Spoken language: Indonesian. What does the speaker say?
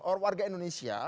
orang warga indonesia